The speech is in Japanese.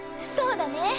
そうだね。